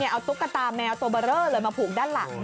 เอาตุ๊กตาแมวตัวเบอร์เรอเลยมาผูกด้านหลัง